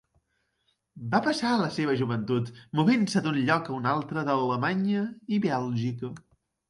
Va passar la seva joventut movent-se d'un lloc a un altre d'Alemanya i Bèlgica.